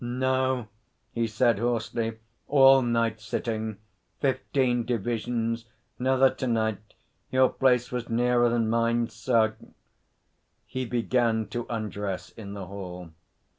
'No,' he said hoarsely. 'All night sitting. Fifteen divisions. 'Nother to night. Your place was nearer than mine, so ' He began to undress in the hall.